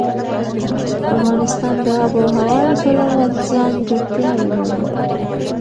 افغانستان د آب وهوا له پلوه ځانګړتیاوې لري.